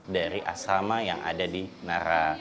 dari asrama yang ada di nara